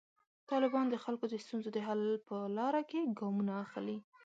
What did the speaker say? طالبان د خلکو د ستونزو د حل په لاره کې ګامونه اخلي.